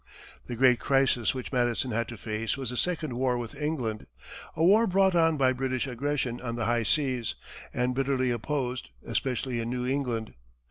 The great crisis which Madison had to face was the second war with England, a war brought on by British aggression on the high seas, and bitterly opposed, especially in New England.